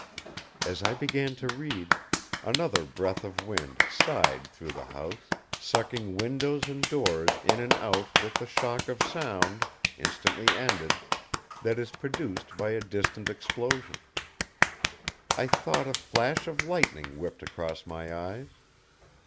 As I began to read, another breath of wind sighed through the house, sucking windows and doors in and out with the shock of sound, instantly ended, that is produced by a distant explosion. I thought a flash of lightning whipped across my eyes.